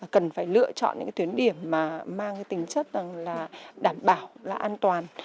cần phải lựa chọn những cái tuyến điểm mà mang cái tính chất rằng là đảm bảo là an toàn